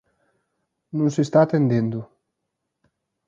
Non se está atendendo.